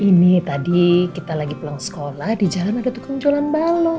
ini tadi kita lagi pulang sekolah di jalan ada tukang jualan balok